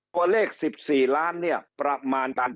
ตัวเลข๑๔ล้านเนี่ยประมาณ